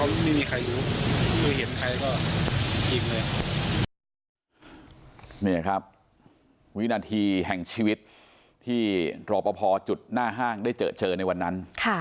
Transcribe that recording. นี่ครับวินาทีแห่งชีวิตที่รอปภจุดหน้าห้างได้เจอเจอในวันนั้น